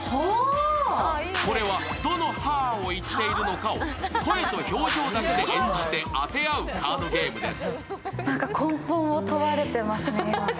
これは、どの「はぁ」を言っているのかを声と表情だけで演じて当て合うカードゲームです。